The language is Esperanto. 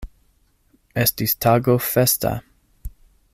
Estis tago festa.